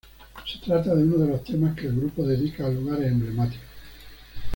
Se trata de uno de los temas que el grupo dedica a lugares emblemáticos.